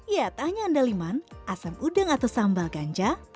ya tanya andaliman asam udang atau sambal ganja